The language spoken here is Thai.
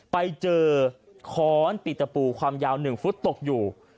ไปเจอค้อนปิตปูความยาว๑ฟุตตกอยู่